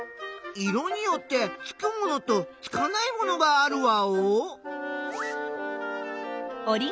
色によってつくものとつかないものがあるワオ？